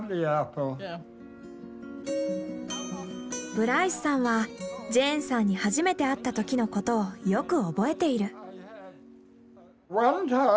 ブライスさんはジェーンさんに初めて会った時のことをよく覚えている。